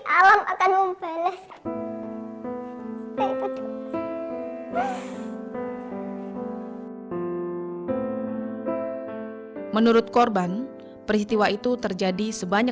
korban mencoba mencari keadilan dengan menuliskan kronologi peristiwa yang menimpanya